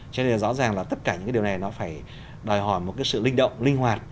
cho nên rõ ràng là tất cả những cái điều này nó phải đòi hỏi một cái sự linh động linh hoạt